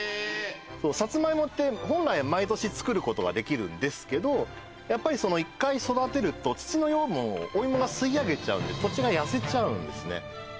サツマイモって本来毎年作ることができるんですけどやっぱりその１回育てると土の養分をお芋が吸い上げちゃうんで土地が痩せちゃうんですね